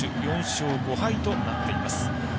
４勝５敗となっています。